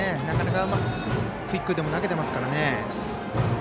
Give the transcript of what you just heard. なかなかクイックでも投げてますからね。